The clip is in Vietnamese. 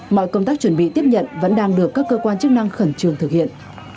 mọi công tác chuẩn bị tiếp nhận vẫn đang được các cơ quan chức năng khẩn trương thực hiện